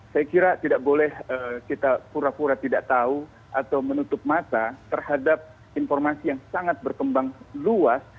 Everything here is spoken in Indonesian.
saya kira tidak boleh kita pura pura tidak tahu atau menutup mata terhadap informasi yang sangat berkembang luas